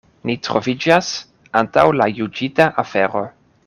Ni troviĝas antaŭ la juĝita afero.